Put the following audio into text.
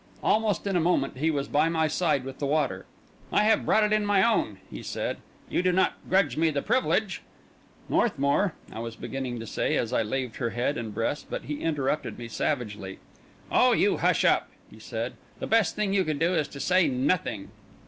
Almost in a moment he was by my side with the water. "I have brought it in my own," he said. "You do not grudge me the privilege?" "Northmour," I was beginning to say, as I laved her head and breast; but he interrupted me savagely. "Oh, you hush up!" he said. "The best thing you can do is to say nothing."